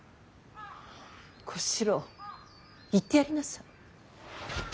小四郎言ってやりなさい。